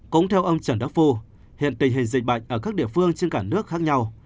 cũng theo ông trần đắc phu hiện tình hình dịch bệnh ở các địa phương trên cả nước khác nhau